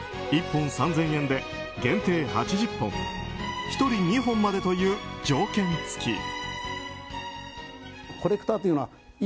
１本３０００円で限定８０本１人２本までという条件付き。